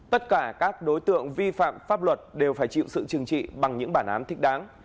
tất cả các đối tượng vi phạm pháp luật đều phải chịu sự chừng trị bằng những bản án thích đáng